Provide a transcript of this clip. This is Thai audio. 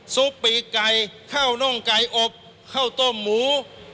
ซุปปีกไก่ข้าวน่องไก่อบข้าวต้มหมู